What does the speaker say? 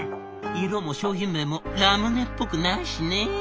「色も商品名もラムネっぽくないしね」。